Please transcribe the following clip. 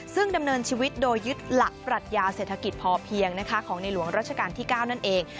ซึ่งดำเนินชีวิตโดยยึดหลักปรัชญาเศรษฐกิจพอเพียงของในหลวงรัชกาลที่๙นั่นเอง